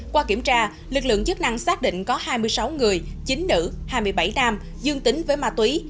qua kiểm tra lực lượng chức năng xác định có hai mươi sáu người chín nữ hai mươi bảy nam dương tính với ma túy